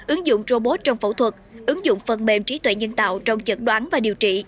ứng dụng robot trong phẫu thuật ứng dụng phần mềm trí tuệ nhân tạo trong chẩn đoán và điều trị